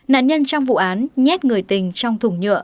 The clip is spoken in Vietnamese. nạn nhân trong vụ án nhét người tình trong thùng nhựa